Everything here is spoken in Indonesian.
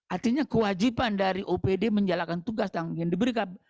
artinya kewajiban dari opd menjalankan tugas yang diberikan